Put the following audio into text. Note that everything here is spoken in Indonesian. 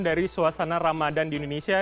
dari suasana ramadan di indonesia